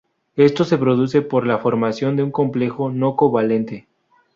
Esto se produce por la formación de un complejo no-covalente.